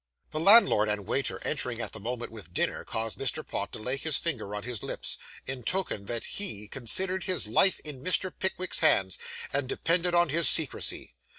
The landlord and waiter entering at the moment with dinner, caused Mr. Pott to lay his finger on his lips, in token that he considered his life in Mr. Pickwick's hands, and depended on his secrecy.